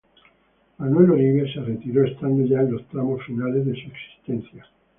Manuel Oribe se retiró, estando ya en los tramos finales de su existencia.